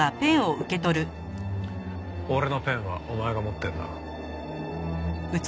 俺のペンはお前が持ってるな？